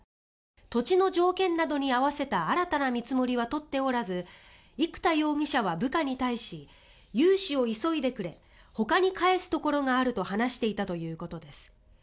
土地の条件などに合わせた新たな見積もりは取っておらず生田容疑者は部下に対し融資を急いでくれほかに返すところがあると話していたということです。